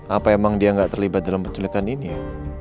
apa emang dia nggak terlibat dalam penculikan ini ya